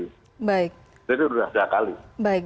jadi sudah setahun